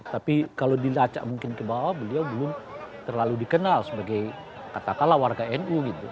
tapi kalau dilacak mungkin ke bawah beliau belum terlalu dikenal sebagai katakanlah warga nu gitu